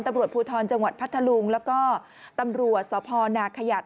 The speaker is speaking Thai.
ตำรวจภูทรจังหวัดพัทธลุงแล้วก็ตำรวจสพนาขยัด